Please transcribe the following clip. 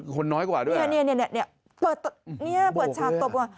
คนน้อยกว่าด้วยนี่เปิดฉากตบ